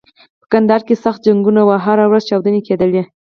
په کندهار کې سخت جنګونه و او هره ورځ چاودنې کېدلې.